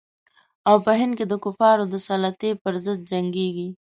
او په هند کې د کفارو د سلطې پر ضد جنګیږي.